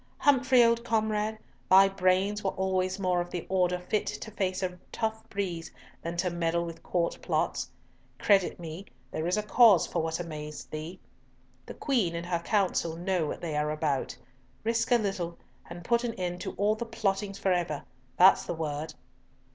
"Humfrey; old comrade, thy brains were always more of the order fit to face a tough breeze than to meddle with Court plots. Credit me, there is cause for what amazed thee. The Queen and her Council know what they are about. Risk a little, and put an end to all the plottings for ever! That's the word."